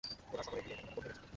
ওরা শহরে বিয়ের কেনাকাটা করতে গেছে।